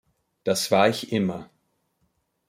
Das war ich immer.